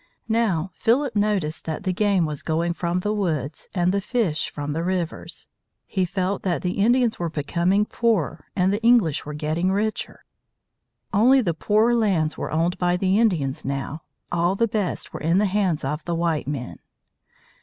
Now Philip noticed that the game was going from the woods and the fish from the rivers. He felt that the Indians were becoming poorer and the English were getting richer. Only the poorer lands were owned by the Indians now. All the best were in the hands of the white men.